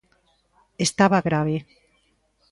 Estaba grave.